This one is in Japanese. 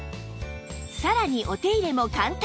さらにお手入れも簡単